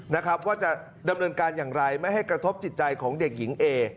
นะครับว่าจะดำเนินการอย่างไรไม่ให้กระทบจิตใจของเด็กหญิงเอ